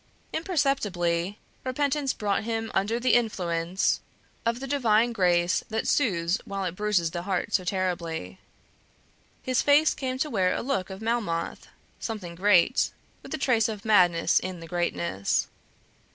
Imperceptibly repentance brought him under the influence of the divine grace that soothes while it bruises the heart so terribly. His face came to wear a look of Melmoth, something great, with a trace of madness in the greatness.